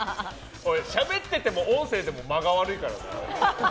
しゃべってても、音声でも間が悪いからな。